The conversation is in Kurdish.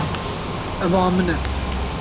Ev a min e.